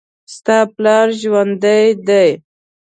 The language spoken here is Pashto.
ستا پلار ژوندي دي